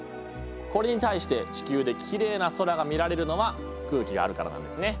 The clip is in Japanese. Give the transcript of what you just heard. これに対して地球できれいな空が見られるのは空気があるからなんですね。